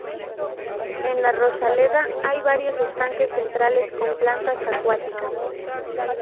En la rosaleda hay varios estanques centrales con plantas acuáticas.